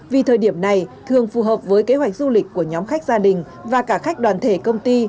vì thời điểm này thường phù hợp với kế hoạch du lịch của nhóm khách gia đình và cả khách đoàn thể công ty